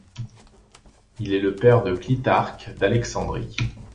Il est le père de Clitarque d'Alexandrie.